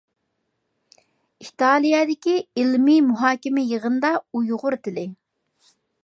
ئىتالىيەدىكى ئىلمىي مۇھاكىمە يىغىنىدا ئۇيغۇر تىلى.